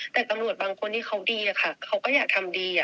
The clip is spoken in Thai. แต่ตำรวจบางคนที่เขาดีอะค่ะเขาก็อยากทำดี